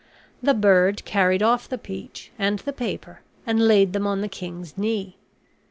The bird carried off the peach and the paper and laid them on the king's knee.